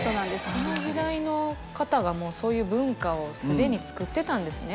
この時代の方がもうそういう文化を既につくってたんですね。